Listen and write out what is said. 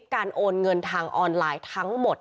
โอนเงินทางออนไลน์ทั้งหมด